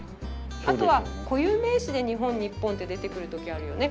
あとは固有名詞で「にほん」「にっぽん」って出てくる時あるよね。